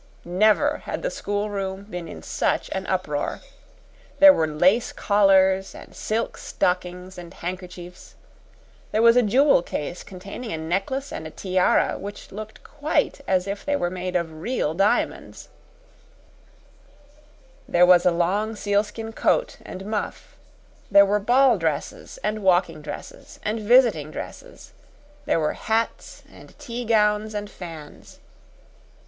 Never had the schoolroom been in such an uproar. There were lace collars and silk stockings and handkerchiefs; there was a jewel case containing a necklace and a tiara which looked quite as if they were made of real diamonds; there was a long sealskin and muff, there were ball dresses and walking dresses and visiting dresses; there were hats and tea gowns and fans.